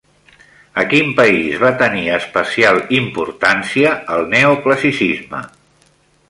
A quin país va tenir especial importància el neoclassicisme?